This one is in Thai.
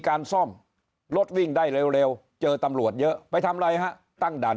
การซ่อมรถวิ่งได้เร็วเจอตำรวจเยอะไปทำอะไรฮะตั้งด่าน